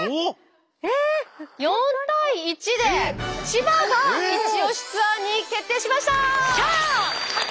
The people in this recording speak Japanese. ４対１で千葉がイチオシツアーに決定しました！